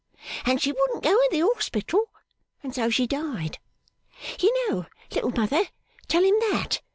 And she wouldn't go into the Hospital, and so she died. You know, Little Mother; tell him that.